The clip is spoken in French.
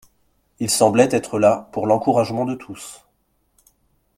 Il semblait être là pour l'encouragement de tous.